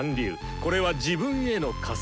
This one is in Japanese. これは自分への枷。